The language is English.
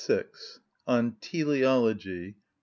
(4) On Teleology.